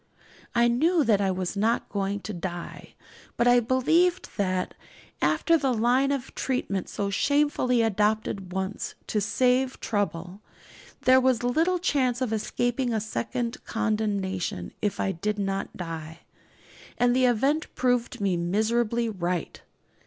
I knew that I was not going to die; but I believed that, after the line of treatment so shamefully adopted once, to save trouble, there was little chance of escaping a second condemnation if I did not die. And the event proved me miserably right.